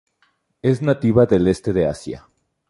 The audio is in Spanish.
Es nativa del este de Asia.